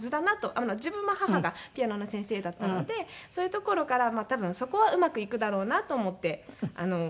自分も母がピアノの先生だったのでそういうところからまあ多分そこはうまくいくだろうなと思ってフルートを。